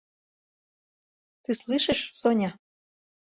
Ты слышишь, Соня?